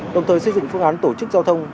đồng thời xây dựng phương án tổ chức giao thông